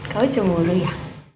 kau cemburu ya